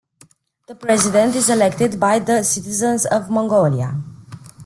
The President is elected by the citizens of Mongolia.